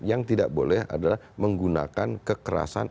yang tidak boleh adalah menggunakan kekerasan